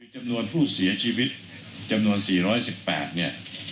จำนวนผู้เสียชีวิตจำนวน๔๑๘เนี่ย